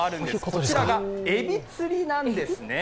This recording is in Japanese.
こちらがエビ釣りなんですね。